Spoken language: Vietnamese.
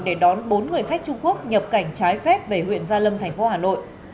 để đón bốn người khách trung quốc nhập cảnh trái phép về huyện gia lâm tp hà nội